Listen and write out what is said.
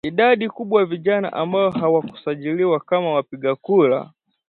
Idadi kubwa ya vijana ambao hawakusajiliwa kama wapiga